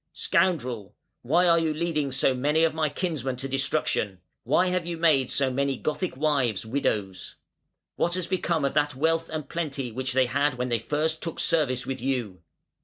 "Scoundrel! why are you leading so many of my kinsmen to destruction? why have you made so many Gothic wives widows? What has become of that wealth and plenty which they had when they first took service with you?